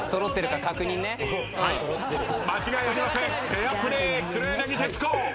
フェアプレー黒柳徹子。